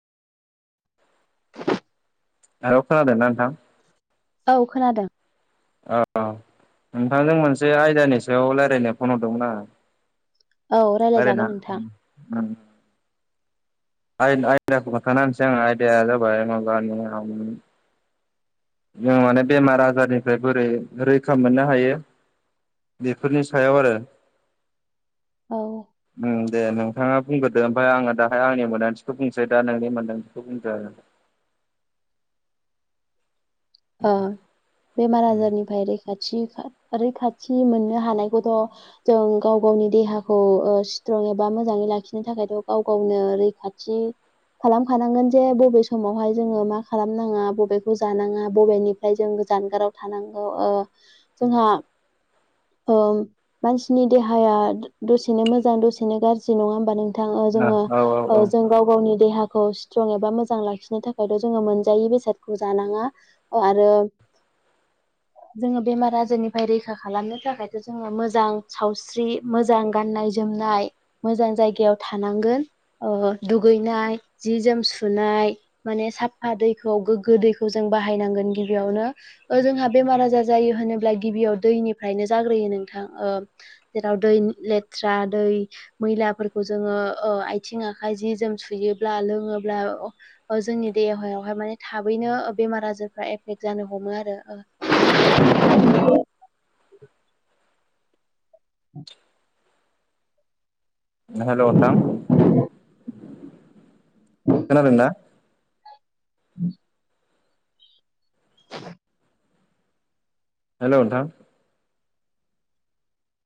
[inaudible] [unintelligible] खोनादों ना नींथां औ खोनादों। औ नोंथांजों मोनसे आयदानि सायाव लायरायनो फन हरदोंमोन आङो। औ रयलायना रायलायजागोन नोंथां [unintelligible] आइ आइन आयदाखौ खोनथाना होनोसै आं आयदाया जाबाय [unintelligible] जों माने बेमार आजारनिफ्राय बोरै रैखा मोननो हायो बेफोरनि सायाव आरो। औ ओं दे नोंथाङा बुंगोरदो ओमफाय आङो दाहाय आंनि मोनदांथिखौ बुंसै दा नोंनि मोन्दांथिखौ बुंदो आरो [unintelligible] अ बेमार आजारनिफ्राय रै- खाथि रैखाथि मोननो हानायखौथ' जों गाव गावनि देहाखौ ओ स्ट्रं एबा मोजाङै लाखिनो थाखायथ' गाव गावनो रैखाथि खालामखानांगोन जे बबे समावहाय जोङो मा खालामनाङा बबेखौ जानाङा बबेनिफ्राय जों जानगाराव थानांगौ ओ जोंहा ओं मानसिनि देहाया दसेनो मोजां दसेनो गाज्रि नङा होमबा नों- थां ओ आरो जोङो औ औ ओ औ जों गाव गावनि देहा- खौ स्ट्रं एबा मोजां लाखिनो थाखायथ' जोङो मोनजायि बेसादखौ जानाङा आरो [unintelligible] जोङो बेमार आजारनिफ्राय रैखा खालामनो थाखायथ जोङो मोजां सावस्रि मोजां गाननाय जोम- नाय मोजां जायगायाव थानांगोन ओ दुगैनाय जि जोम सुनाय माने साफ्फा दैखौ गोग्गो दैखौ जों बा- बाहायनांगोन गिबियावनो ओ जोंहा बेमार आजार जायो होनोब्ला गिबियाव दैनिफ्रायनो जाग्रोयो नोंथाङा ओ जेराव दैनि लेथ्रा दै मैलाफोरखौ जोङो ओ आथिं आख- ाय जि जोम सुयोब्ला लोङोब्ला अब जोंनि देहायावहाय माने थाबैनो ओ बेमार आजारफ्रा एफेक्ट जानो हमो आरो ओं [unintelligible] [unintelligible] हेल' नोंथां खोनादोंना [unintelligible] हेल' नोंथां